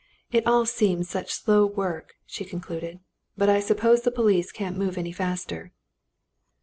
"It all seems such slow work," she concluded, "but I suppose the police can't move any faster."